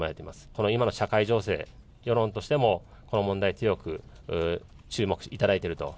この今の社会情勢、世論としてもこの問題、強く注目頂いていると。